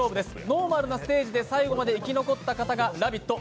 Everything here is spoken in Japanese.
ノーマルなステージで最後まで生き残った方が「ラヴィット！」